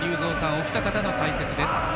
お二方の解説です。